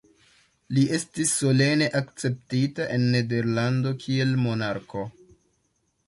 Li estis solene akceptita en Nederlando kiel monarko.